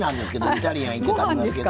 イタリアン行って食べますけど。